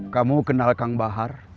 kamu kenal kang bahar